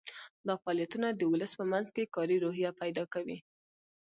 دا فعالیتونه د ولس په منځ کې کاري روحیه پیدا کوي.